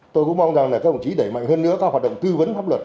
tôi cũng mong rằng các hồng chí đẩy mạnh hơn nữa các hoạt động tư vấn pháp luật